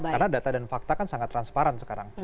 karena data dan fakta kan sangat transparan sekarang